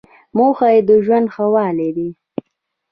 موخه یې د ژوند ښه والی دی.